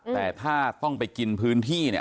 แต่ถ้าต้องไปกินพื้นที่เนี่ย